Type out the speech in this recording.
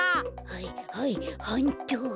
はいはいはんっと。